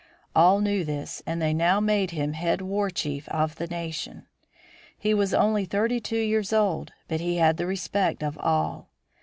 All knew this and they now made him head war chief of the nation. He was only thirty two years old, but he had the respect of all.